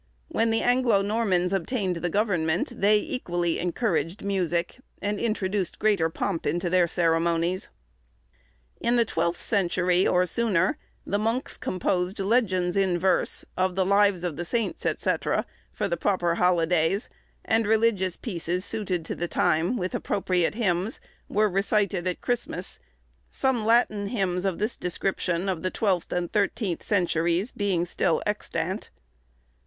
When the Anglo Normans obtained the government, they equally encouraged music, and introduced greater pomp into their ceremonies. In the twelfth century, or sooner, the monks composed legends in verse, of the lives of the saints, &c., for the proper holidays; and religious pieces suited to the time, with appropriate hymns, were recited at Christmas; some Latin hymns of this description of the twelfth and thirteenth centuries, being still extant.